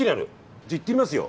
じゃあ行ってみますよ。